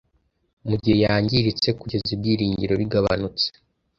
mugihe yangiritse kugeza ibyiringiro bigabanutse